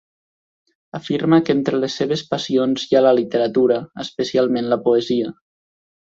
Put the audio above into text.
Afirma que entre les seves passions hi ha la literatura, especialment la poesia.